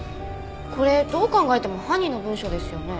これどう考えても犯人の文章ですよね。